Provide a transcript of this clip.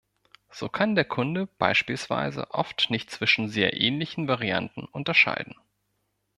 So kann der Kunde beispielsweise oft nicht zwischen sehr ähnlichen Varianten unterscheiden.